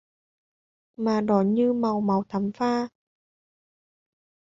Và đỏ như màu máu thắm pha